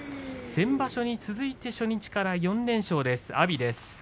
先場所に続いて初日から４連勝です。